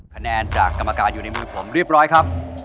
คะแนนจากกรรมการอยู่ในมือผมเรียบร้อยครับ